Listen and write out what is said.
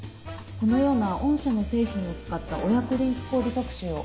このような御社の製品を使った親子リンクコーデ特集をＯｈ！